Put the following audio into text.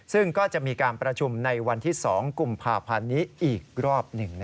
ซึ่งก็จะมีการประชุมในวันที่๒กุมภาพันธ์นี้อีกรอบหนึ่ง